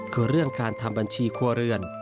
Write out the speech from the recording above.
คือเรื่องการทำบัญชีครัวเรือน